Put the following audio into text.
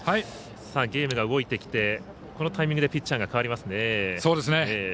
ゲームが動いてきてこのタイミングでピッチャーが代わりますね。